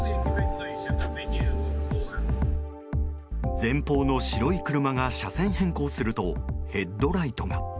前方の白い車が車線変更するとヘッドライトが。